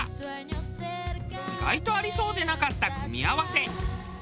意外とありそうでなかった組み合わせ。